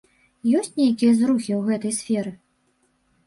Ёсць нейкія зрухі ў гэтай сферы?